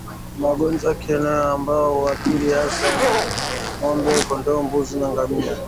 magonjwa ya kieneo ambayo huathiri hasa ngombe kondoo mbuzi na ngamia